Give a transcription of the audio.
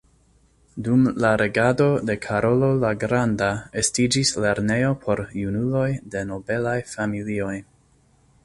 Dum la regado de Karolo la Granda estiĝis lernejo por junuloj de nobelaj familioj.